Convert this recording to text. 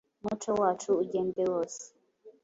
Umuco wacu ugende wose.